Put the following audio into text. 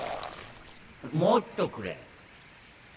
もっとくれ。